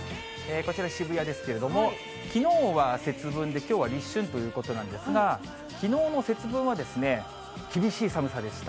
こちら、渋谷ですけれども、きのうは節分で、きょうは立春ということなんですが、きのうの節分は、厳しい寒さでした。